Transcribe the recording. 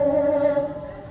kepada yang maha kuasa